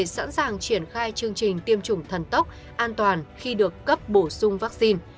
sẵn sàng triển khai chương trình tiêm chủng thần tốc an toàn khi được cấp bổ sung vaccine